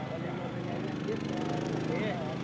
แค้